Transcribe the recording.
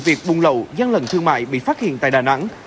việc bùng lẩu gian lẩn thương mại bị phát hiện tại đà nẵng